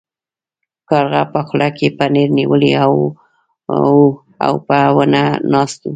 کارغه په خوله کې پنیر نیولی و او په ونه ناست و.